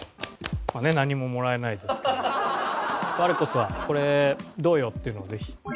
我こそはこれどうよ？っていうのをぜひ。